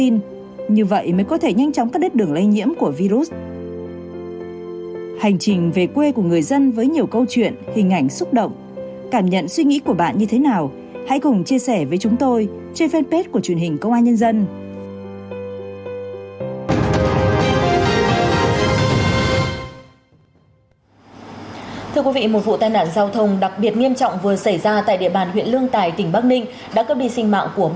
nguyên nhân của vụ tai nạn giao thông này đang được các cơ quan chức năng làm rõ